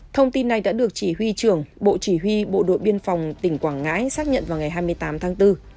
thông tin này đã được chỉ huy trưởng bộ chỉ huy bộ đội biên phòng tỉnh quảng ngãi xác nhận vào ngày hai mươi tám tháng bốn